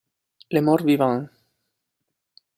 Le Mort vivant